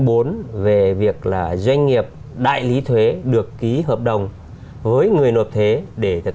và hai điều một trăm linh bốn về việc là doanh nghiệp đại lý thuế được ký hợp đồng với người nộp thuế để thực